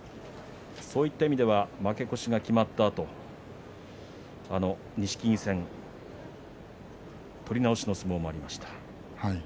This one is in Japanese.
そういった意味では負け越しが決まったあと錦木戦取り直しの相撲もありました。